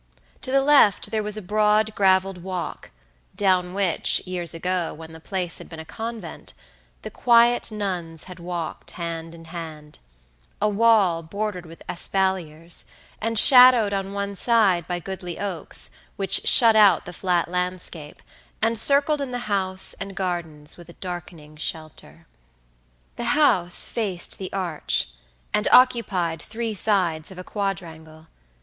To the left there was a broad graveled walk, down which, years ago, when the place had been a convent, the quiet nuns had walked hand in hand; a wall bordered with espaliers, and shadowed on one side by goodly oaks, which shut out the flat landscape, and circled in the house and gardens with a darkening shelter. The house faced the arch, and occupied three sides of a quadrangle.